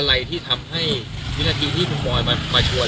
อะไรที่ทำให้วินาทีที่คุณบอยมาชวน